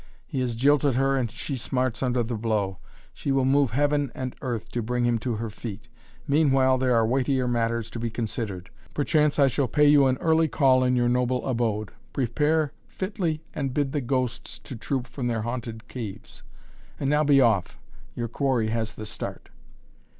He has jilted her and she smarts under the blow. She will move heaven and earth to bring him to her feet. Meanwhile there are weightier matters to be considered. Perchance I shall pay you an early call in your noble abode. Prepare fitly and bid the ghosts troop from their haunted caves. And now be off! Your quarry has the start!"